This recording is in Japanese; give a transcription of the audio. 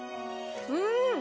うん！